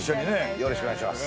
よろしくお願いします